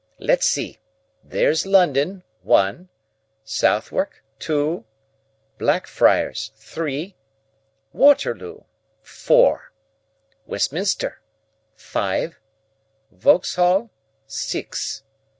Let's see; there's London, one; Southwark, two; Blackfriars, three; Waterloo, four; Westminster, five; Vauxhall, six."